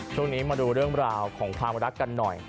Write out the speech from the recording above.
ช่วงนี้มาดูเรื่องราวของความรักกันหน่อย